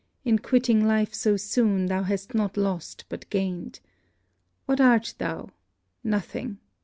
In quitting life so soon, thou hast not lost but gained! What art thou? nothing!